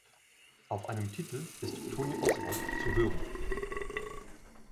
Auf einem Titel ist Toni Oswald zu hören.